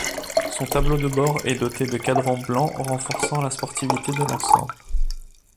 Son tableau de bord est doté de cadrans blancs renforçant la sportivité de l'ensemble.